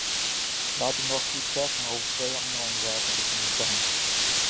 Laat ik nog iets zeggen over twee andere onderwerpen die genoemd zijn.